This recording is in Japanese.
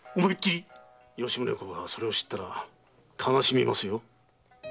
吉宗公がそれを知ったら悲しみますよ。